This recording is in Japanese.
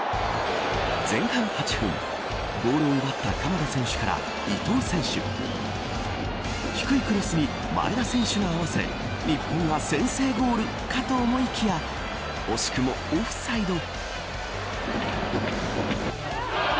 前半８分ボールを奪った鎌田選手から伊東選手低いクロスに前田選手が合わせ日本が先制ゴールかと思いきや惜しくもオフサイド。